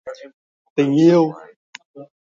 tình yêu